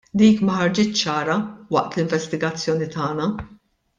Dik ma ħarġitx ċara waqt l-investigazzjoni tagħna.